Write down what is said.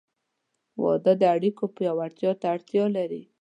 • واده د اړیکو پیاوړتیا ته اړتیا لري.